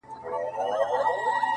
زنګ وهلی د خوشال د توري شرنګ یم،